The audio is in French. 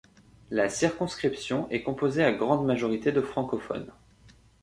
La circonscription est composée à grande majorité de francophones.